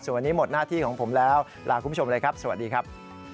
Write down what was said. วันนี้หมดหน้าที่ของผมแล้วลาคุณผู้ชมเลยครับสวัสดีครับ